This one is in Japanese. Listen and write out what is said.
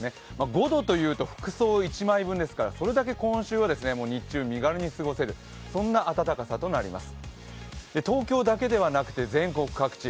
５度というと服装１枚分ですからそれだけ今週は日中、身軽に過ごせる、そんな暖かさとなります。